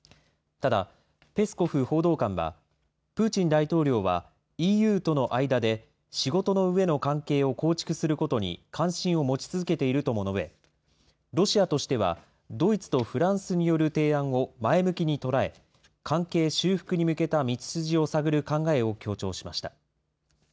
ただペスコフ報道官は、プーチン大統領は、ＥＵとの間で仕事の上の関係を構築することに関心を持ち続けているとも述べ、ロシアとしてはドイツとフランスによる提案を前向きに捉え、関係修復に向けた道筋を探る考えを強調しました。